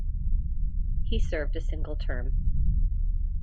He served a single term.